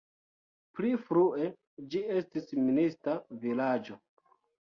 Pli frue ĝi estis minista vilaĝo.